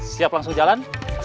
siap langsung jalan siap sebentar